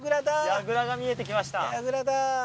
櫓が見えてきました櫓だ！